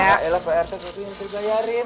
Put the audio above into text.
ya ya pak rt tuh yang terbayarin